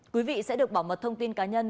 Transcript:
quý vị sẽ được bảo mật thông tin cá nhân